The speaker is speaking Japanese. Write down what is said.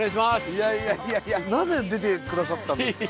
いやいやなぜ出て下さったんですか？